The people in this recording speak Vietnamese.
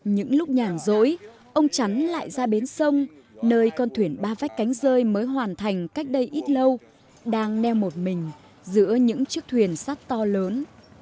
những lúc nhàn rỗi ông chắn lại ra bến sông nơi con thuyền ba vách cánh rơi mới hoàn thành cách đây ít lâu đang neo một mình giữa những chiếc thuyền sắt to lớn